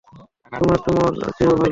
তোমার চুমোর চেয়েও ভালো।